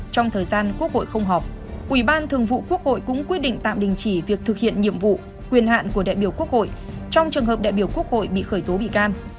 trong thời gian quốc hội không họp ủy ban thường vụ quốc hội cũng quyết định tạm đình chỉ việc thực hiện nhiệm vụ quyền hạn của đại biểu quốc hội trong trường hợp đại biểu quốc hội bị khởi tố bị can